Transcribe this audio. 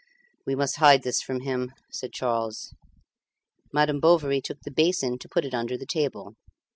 "We must hide this from him," said Charles. Madame Bovary took the basin to put it under the table.